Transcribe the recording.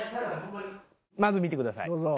まず見てください。